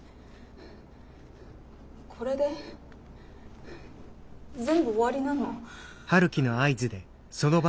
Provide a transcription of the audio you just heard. これで全部終わりなの？